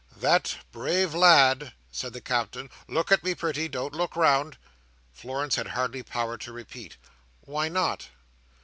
"That brave lad," said the Captain,—"look at me, pretty! Don't look round—" Florence had hardly power to repeat, "Why not?"